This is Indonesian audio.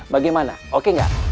bagaimana oke gak